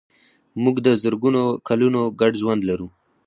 موږ د زرګونو کلونو ګډ ژوند لرو.